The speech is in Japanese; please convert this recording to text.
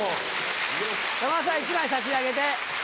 山田さん１枚差し上げて。